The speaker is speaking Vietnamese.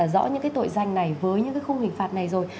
rõ những cái tội danh này với những cái khung hình phạt này rồi